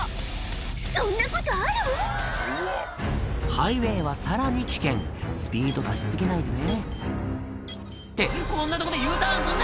ハイウエーはさらに危険スピード出し過ぎないでねってこんなとこでＵターンすんな！